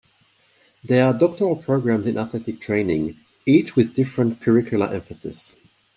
There are doctoral programs in athletic training, each with different curricular emphasis.